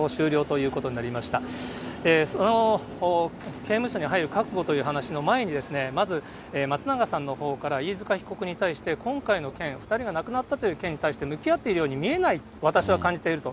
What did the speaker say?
刑務所に入る覚悟という話の前に、まず、松永さんのほうから飯塚被告に対して、今回の件、２人が亡くなったという件に対して向き合ってるように見えないと、私は感じていると。